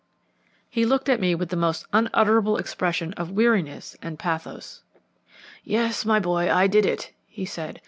He looked at me with the most unutterable expression of weariness and pathos. "'Yes, my boy, I did it,' he said.